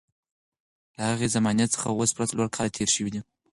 له هغې زمانې څخه اوس پوره څلور کاله تېر شوي دي.